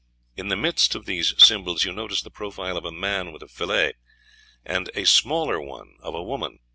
In the midst of these symbols you notice the profile of a man with a fillet, and a smaller one of a woman.